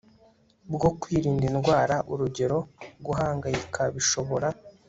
bwo kwirinda indwara Urugero guhangayika bishobora